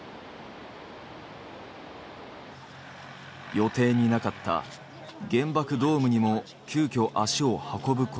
予定になかった原爆ドームにも急きょ足を運ぶこととなった。